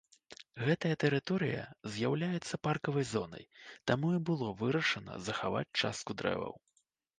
Гэтая тэрыторыя з'яўляецца паркавай зонай, таму і было вырашана захаваць частку дрэваў.